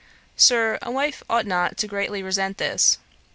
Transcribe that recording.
Sir, a wife ought not greatly to resent this.